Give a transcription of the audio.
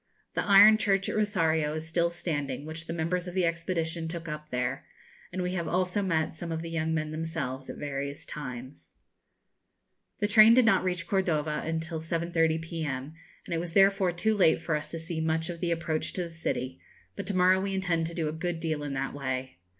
The iron church at Rosario is still standing, which the members of the expedition took up there, and we have also met some of the young men themselves at various times. The train did not reach Cordova until 7.30 p.m., and it was therefore too late for us to see much of the approach to the city, but to morrow we intend to do a good deal in that way.